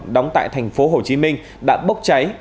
đóng tại thành phố hồ chí minh đã bốc cháy